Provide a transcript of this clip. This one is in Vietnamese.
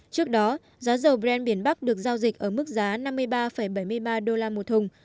trước đó giá dầu brent biển bắc được giao dịch ở mức giá năm mươi ba bảy mươi ba đô la một thùng